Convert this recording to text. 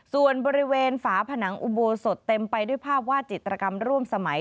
ส่วนบริเวณฝาผนังอุโบสถเต็มไปด้วยภาพวาดจิตรกรรมร่วมสมัย